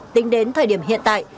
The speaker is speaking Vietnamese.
tính đến thời điểm hiện tại